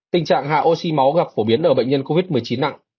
tình trạng hạ oxy máu gặp phổ biến ở bệnh nhân covid một mươi chín nặng